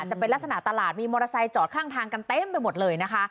จะเป็นลักษณะตลาดมีมอเตอร์ไซค์จอดข้างทางกันเต็มไปหมดเลยนะคะ